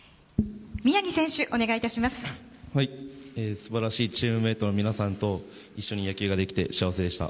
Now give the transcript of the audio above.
素晴らしいチームメートの皆さんと一緒に野球ができて幸せでした。